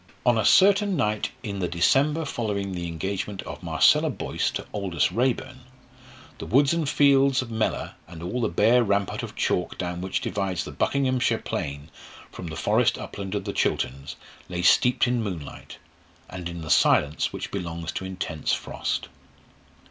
On a certain night in the December following the engagement of Marcella Boyce to Aldous Raeburn, the woods and fields of Mellor, and all the bare rampart of chalk down which divides the Buckinghamshire plain from the forest upland of the Chilterns lay steeped in moonlight, and in the silence which belongs to intense frost.